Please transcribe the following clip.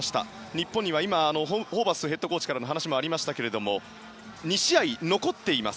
日本にはトム・ホーバスヘッドコーチからもありましたけど２試合残っています。